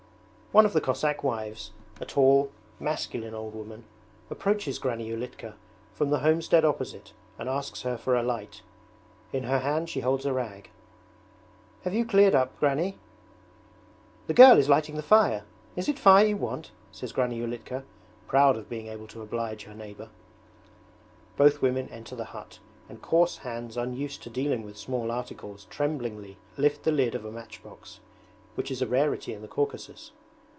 One of the Cossack wives, a tall, masculine old woman, approaches Granny Ulitka from the homestead opposite and asks her for a light. In her hand she holds a rag. 'Have you cleared up. Granny?' 'The girl is lighting the fire. Is it fire you want?' says Granny Ulitka, proud of being able to oblige her neighbour. Both women enter the hut, and coarse hands unused to dealing with small articles tremblingly lift the lid of a matchbox, which is a rarity in the Caucasus.